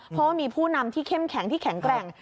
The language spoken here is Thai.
เพราะว่ามีผู้นำที่เข้มแข็งที่แข็งแกร่ง